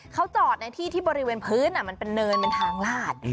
เขาจอดในที่ที่บริเวณพื้นมันเป็นเนินเป็นทางลาด